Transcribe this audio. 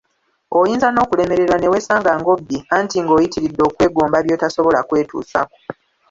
Oyinza n‘okulemererwa ne weesanga ng‘obbye anti ng‘oyitiridde okwegomba by‘otasobola kwetusaako!